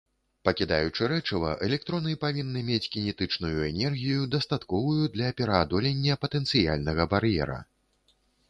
Пакідаючы рэчыва, электроны павінны мець кінетычную энергію, дастатковую для пераадолення патэнцыяльнага бар'ера.